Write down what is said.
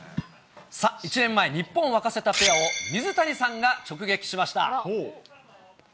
１年前、日本を沸かせたペアを、水谷さんが直撃しました。